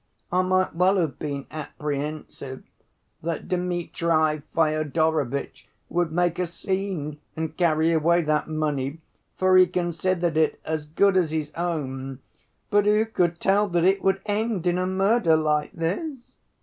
I might well have been apprehensive that Dmitri Fyodorovitch would make a scene and carry away that money, for he considered it as good as his own; but who could tell that it would end in a murder like this?